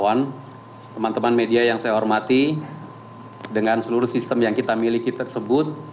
dan teman teman media yang saya hormati dengan seluruh sistem yang kita miliki tersebut